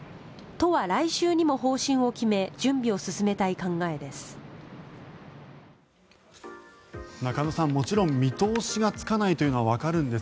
都は来週にも方針を決め準備を進めたい考えです。